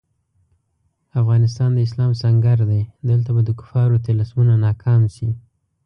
افغانستان د اسلام سنګر دی، دلته به د کفارو طلسمونه ناکام شي.